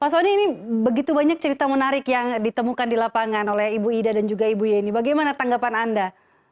pak soni ini begitu banyak cerita menarik yang ditemukan di lapangan oleh ibu ida dan juga ibu yeni bagaimana tanggapan anda